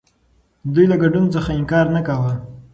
دوی له ګډون څخه انکار نه کاوه.